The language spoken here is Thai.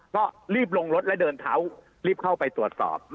ก็รีบลงรถแล้วเดินเท้ารีบเข้าไปตรวจสอบ